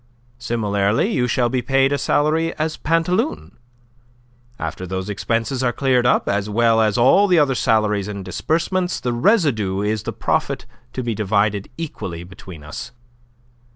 Similarly, you shall be paid a salary as Pantaloon. After those expenses are cleared up, as well as all the other salaries and disbursements, the residue is the profit to be divided equally between us."